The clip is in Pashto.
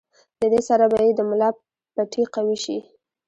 د دې سره به ئې د ملا پټې قوي شي